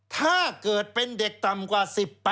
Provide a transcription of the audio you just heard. ถ้าเกิดเป็นเด็กต่ำกว่า๑๐